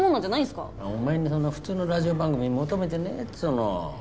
お前にそんな普通のラジオ番組求めてねえっつうの。